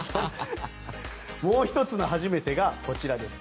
もう１つの初めてがこちらです。